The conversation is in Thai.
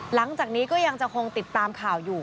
หลังจากนี้ก็ยังจะคงติดตามข่าวอยู่